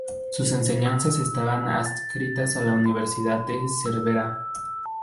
Sus enseñanzas estaban adscritas a la Universidad de Cervera.